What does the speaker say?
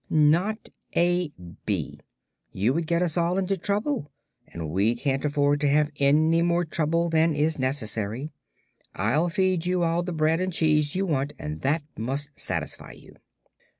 "Not a bee. You would get us all into trouble, and we can't afford to have any more trouble than is necessary. I'll feed you all the bread and cheese you want, and that must satisfy you."